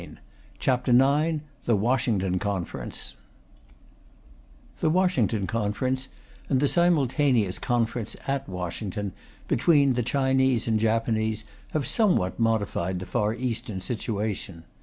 ] CHAPTER IX THE WASHINGTON CONFERENCE The Washington Conference, and the simultaneous conference, at Washington, between the Chinese and Japanese, have somewhat modified the Far Eastern situation.